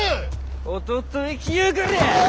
おととい来やがれ！